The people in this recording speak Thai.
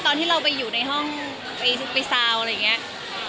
ตอนที่เราไปอยู่ในห้องไปซาวอะไรอย่างนี้